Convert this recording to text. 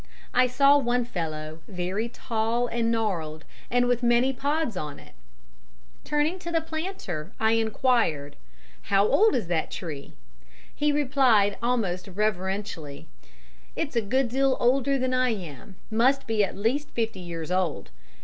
I saw one fellow, very tall and gnarled, and with many pods on it; turning to the planter I enquired "How old is that tree?" He replied, almost reverentially: "It's a good deal older than I am; must be at least fifty years old."